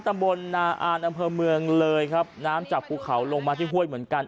ตำบลนาอ่านอำเภอเมืองเลยครับน้ำจากภูเขาลงมาที่ห้วยเหมือนกัน